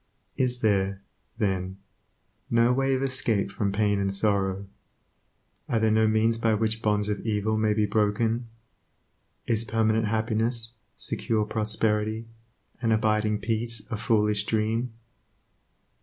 Is there, then, no way of escape from pain and sorrow? Are there no means by which bonds of evil may be broken? Is permanent happiness, secure prosperity, and abiding peace a foolish dream?